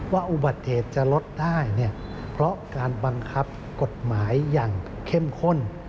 อุบัติเหตุจะลดได้เพราะการบังคับกฎหมายอย่างเข้มข้น